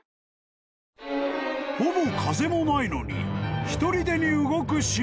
［ほぼ風もないのにひとりでに動く島！？］